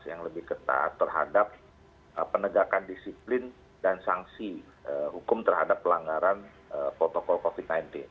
yang lebih ketat terhadap penegakan disiplin dan sanksi hukum terhadap pelanggaran protokol covid sembilan belas